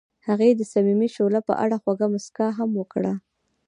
هغې د صمیمي شعله په اړه خوږه موسکا هم وکړه.